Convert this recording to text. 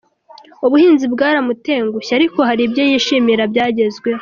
Ubuhinzi bwaramutengushye ariko hari ibyo yishimira byagezweho .